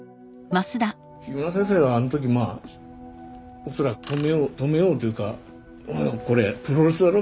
木村先生はあの時まあ恐らく止めよう止めようというかこれプロレスだろ？